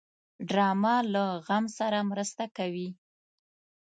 ډرامه له غم سره مرسته کوي